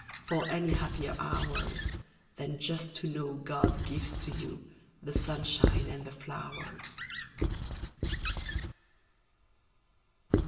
For any happier hours. Than just to know God gives to you The sunshine and the flowers.